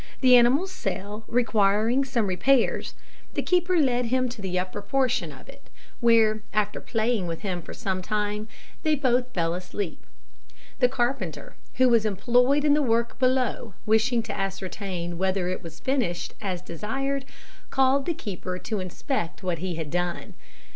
The animal's cell requiring some repairs, the keeper led him to the upper portion of it, where, after playing with him for some time, they both fell asleep. The carpenter, who was employed in the work below, wishing to ascertain whether it was finished as desired, called the keeper to inspect what he had done.